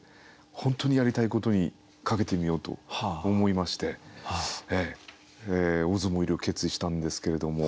本当にやりたいことにかけてみようと思いまして大相撲入りを決意したんですけれども。